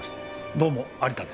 どうも蟻田です。